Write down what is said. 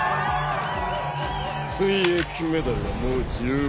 水泳金メダルはもう十分。